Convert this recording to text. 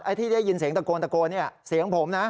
ไอ้ที่ได้ยินเสียงตะโกนนี่เสียงผมนะ